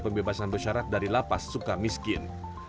pembebasan bersyarat dari lapas suka miskin